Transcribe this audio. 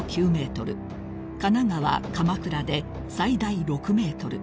［神奈川鎌倉で最大６ｍ］